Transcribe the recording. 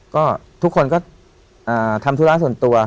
ก็ทุกคนก็ทำธุระส่วนตัว